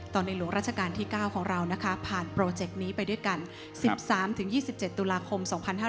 ในหลวงราชการที่๙ของเรานะคะผ่านโปรเจกต์นี้ไปด้วยกัน๑๓๒๗ตุลาคม๒๕๕๙